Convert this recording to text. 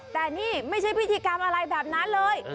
แต่นี่ไม่ใช่พิธีกรรมอะไรแบบนั้นเลย